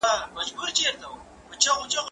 درسونه د زده کوونکي له خوا اورېدلي کيږي؟